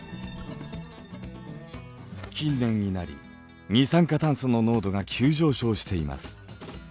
近年になり二酸化炭素の濃度が急上昇しています。